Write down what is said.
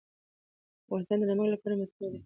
افغانستان د نمک له پلوه متنوع دی.